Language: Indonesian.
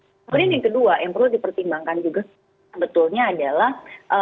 kemudian yang kedua yang perlu dipertimbangkan juga betulnya adalah